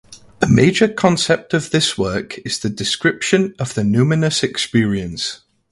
A major concept of this work is the description of the numinous experience.